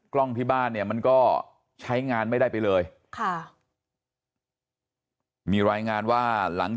กล้องที่บ้านเนี่ยมันก็ใช้งานไม่ได้ไปเลยค่ะมีรายงานว่าหลัง